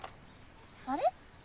あれ？